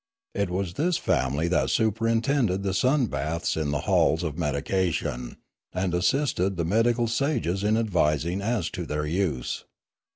It was this family that superintended the sunbaths in their halls of medication, and assisted the medical sages in advising as to their use.